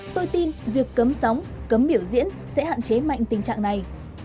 tôi tin việc cấm sóng cấm biểu diễn sẽ hạn chế mạnh tình trạng này